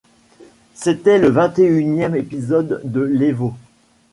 C'était le vingt-et-unième épisode de l'Evo.